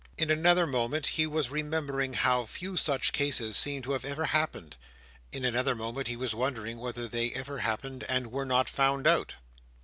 In another moment, he was remembering how few such cases seemed to have ever happened. In another moment he was wondering whether they ever happened and were not found out.